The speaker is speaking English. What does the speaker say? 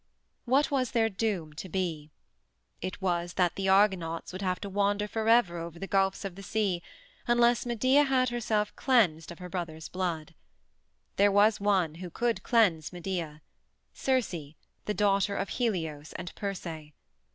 What was their doom to be? It was that the Argonauts would have to wander forever over the gulfs of the sea unless Medea had herself cleansed of her brother's blood. There was one who could cleanse Medea Circe, the daughter of Helios and Perse.